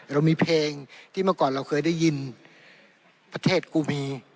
เรามีเพลงที่เมื่อก่อนเราเคยได้ยินประเทศกูมี